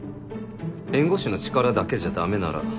弁護士の力だけじゃ駄目なら。